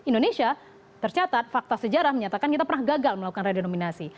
indonesia tercatat fakta sejarah menyatakan kita pernah gagal melakukan redenominasi